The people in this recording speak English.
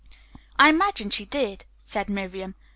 ] "I imagine she did," said Miriam.